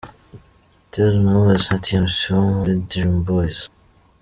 Butera Knowless na Tmc wo muri Dream Boys.